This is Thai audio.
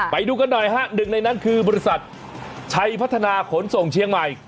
ไปดูกันหน่อยฮะหนึ่งในนั้นคือบริษัทชัยพัฒนาขนส่งเชียงใหม่